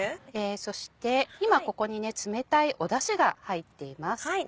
そして今ここに冷たいだしが入っています。